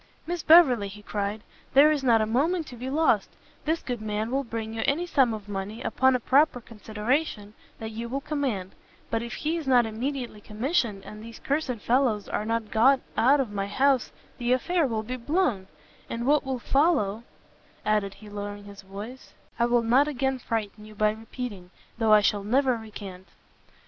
"Miss Beverley," he cried, "there is not a moment to be lost; this good man will bring you any sum of money, upon a proper consideration, that you will command; but if he is not immediately commissioned, and these cursed fellows are not got out of my house, the affair will be blown," "and what will follow," added he, lowering his voice, "I will not again frighten you by repeating, though I shall never recant."